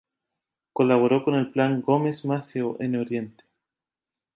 Colaboró con el Plan Gómez-Maceo en Oriente.